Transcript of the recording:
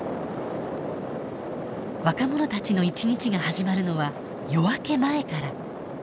若者たちの１日が始まるのは夜明け前から。